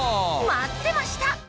待ってました！